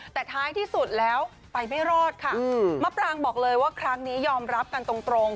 แต่ท้ายที่สุดแล้วไปไม่รอดค่ะมะปรางบอกเลยว่าครั้งนี้ยอมรับกันตรง